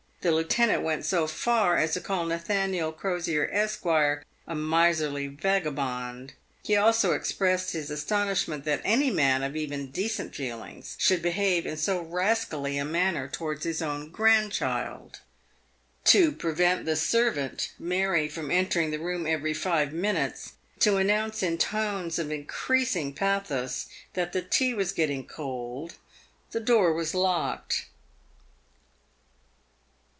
The lieutenant went so far as to call Nathaniel Crosier, Esq. a miserly vagabond. He also expressed his astonishment that any man of even decent feelings should behave in so rascally a manner towards his own grandchild. To prevent the servant, Mary, from entering the room every five minutes to announce in tones of increasing pathos that the tea was getting cold, the door was locked.